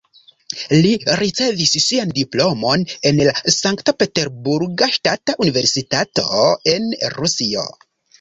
Li ricevis sian diplomon en la Sankt-Peterburga Ŝtata Universitato en Rusio.